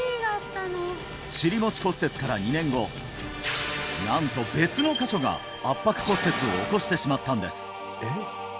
骨折から２年後なんと別の箇所が圧迫骨折を起こしてしまったんです